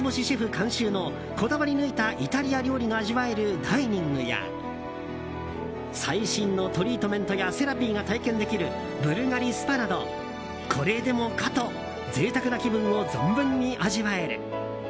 監修のこだわりぬいたイタリア料理が味わえるダイニングや最新のトリートメントやセラピーが体験できるブルガリスパなど、これでもかと贅沢な気分を存分に味わえる。